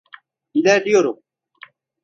İlerliyorum.